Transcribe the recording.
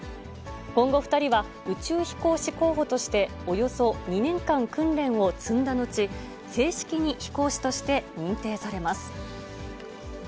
今後２人は、宇宙飛行士候補として、およそ２年間訓練を積んだ後、正式に飛行士として認定されます。